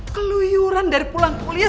keluyuran dari pulang kuliah